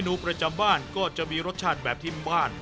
ดูประจำบ้านก็จะมีรสชาติแบบที่บ้าน